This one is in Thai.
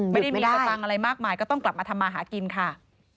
ไม่ได้มีสตังค์อะไรมากมายก็ต้องกลับมาทำมาหากินค่ะ